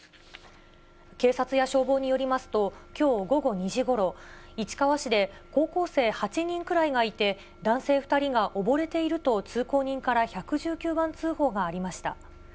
警察や消防によりますと、きょう午後２時ごろ、市川市で、高校生８人くらいがいて、男性２人が溺れていると、通行人から１１９番通報がありました。